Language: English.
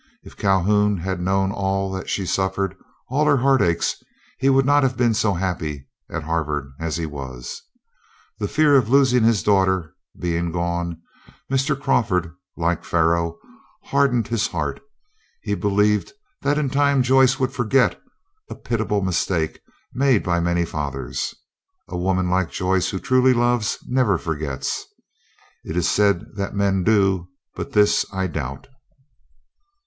If Calhoun had known all that she suffered, all her heartaches, he would not have been so happy at Harvard as he was. The fear of losing his daughter being gone, Mr. Crawford, like Pharaoh, hardened his heart. He believed that in time Joyce would forget, a pitiable mistake made by many fathers. A woman like Joyce, who truly loves, never forgets. It is said that men do, but this I doubt.